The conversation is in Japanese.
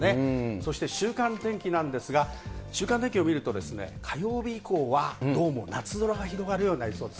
そして週間天気なんですが、週間天気を見ると、火曜日以降は、どうも夏空が広がるようになりそうです。